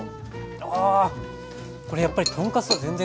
あこれやっぱり豚カツとは全然違いますね。